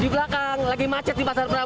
di belakang lagi macet di pasar berapa